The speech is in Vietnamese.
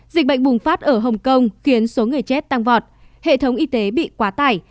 dịch bệnh bùng phát ở hồng kông khiến số người chết tăng vọt hệ thống y tế bị quá tải